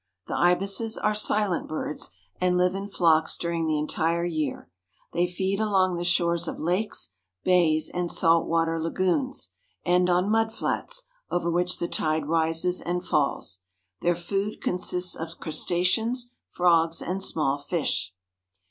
The ibises are silent birds, and live in flocks during the entire year. They feed along the shores of lakes, bays, and salt water lagoons, and on mud flats, over which the tide rises and falls. Their food consists of crustaceans, frogs, and small fish.